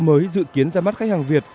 mới dự kiến ra mắt khách hàng việt